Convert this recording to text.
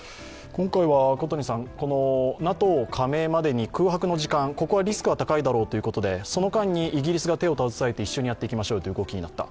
今回はＮＡＴＯ加盟までに空白の時間、ここはリスクが高いだろうということでその間にイギリスが手を携えて一緒にやっていきましょうという動きになった。